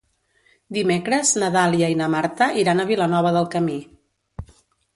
Dimecres na Dàlia i na Marta iran a Vilanova del Camí.